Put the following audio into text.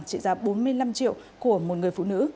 trị giá bốn mươi năm triệu của một người phụ nữ